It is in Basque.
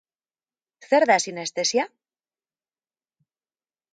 Zer da sinestesia?